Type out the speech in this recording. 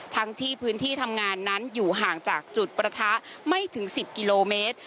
ทั้งที่พื้นที่ทำงานนั้นอยู่ห่างจากจุดประทะไม่ถึง๑๐กิโลเมตร